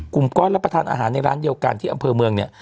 กลุ่มก้อนรับประทานอาหารในร้านเดียวกันที่อำเภอเมืองเนี่ย